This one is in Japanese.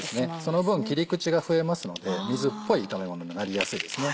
その分切り口が増えますので水っぽい炒めものになりやすいですね。